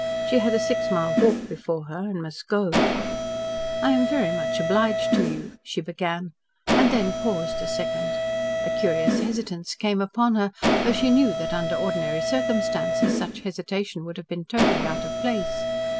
She had a six mile walk before her and must go. "I am very much obliged to you," she began, and then paused a second. A curious hesitance came upon her, though she knew that under ordinary circumstances such hesitation would have been totally out of place.